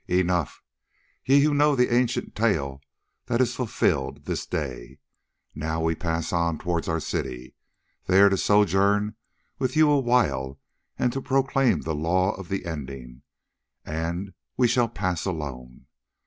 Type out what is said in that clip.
"Enough, ye know the ancient tale that is fulfilled this day. Now we pass on towards our city, there to sojourn with you awhile and to proclaim the law of the Ending, and we pass alone.